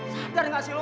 sadar gak sih lu